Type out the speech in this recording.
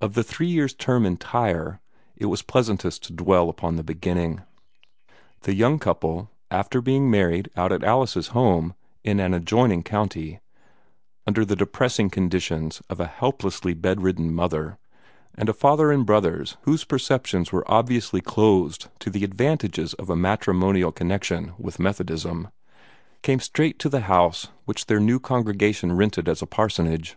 Of the three years' term in Tyre, it was pleasantest to dwell upon the beginning. The young couple after being married out at Alice's home in an adjoining county, under the depressing conditions of a hopelessly bedridden mother, and a father and brothers whose perceptions were obviously closed to the advantages of a matrimonial connection with Methodism came straight to the house which their new congregation rented as a parsonage.